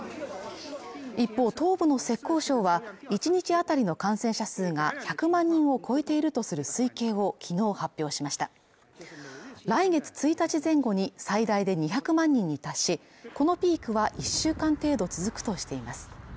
一方東部の浙江省は１日あたりの感染者数が１００万人を超えているとする推計を昨日発表しました来月１日前後に最大で２００万人に達しこのピークは１週間程度続くとしています